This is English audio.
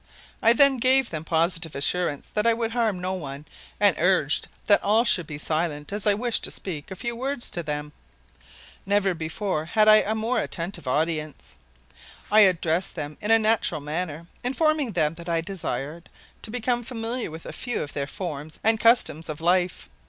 I then gave them positive assurance that I would harm no one and urged that all should be silent as I wished to speak a few words to them. Never before had I a more attentive audience. I addressed them in a natural manner, informing them that I desired to become familiar with a few of their forms and customs of life.